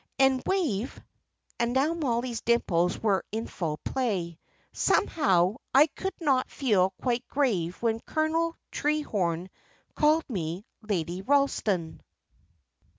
And Wave" and now Mollie's dimples were in full play "somehow I could not feel quite grave when Colonel Treherne called me Lady Ralston."